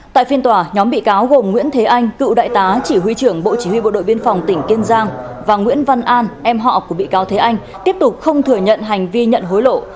tại phiên tòa nhóm bị cáo gồm nguyễn thế anh cựu đại tá chỉ huy trưởng bộ chỉ huy bộ đội biên phòng tỉnh kiên giang và nguyễn văn an em họ của bị cáo thế anh tiếp tục không thừa nhận hành vi nhận hối lộ